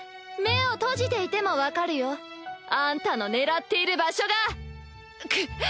目を閉じていても分かるよあんたの狙っている場所が！くっ！